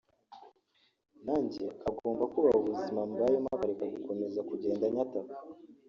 nanjye agomba kubaha ubuzima mbayemo akareka gukomeza kugenda anyataka